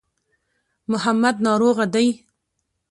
محمد ناروغه دی.